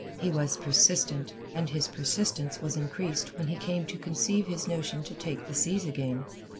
He was persistent, and his persistence was increased when he came to conceive his notion to take the seas again.